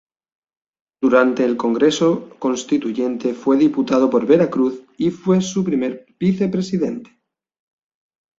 Durante el Congreso Constituyente fue Diputado por Veracruz y fue su primer Vicepresidente.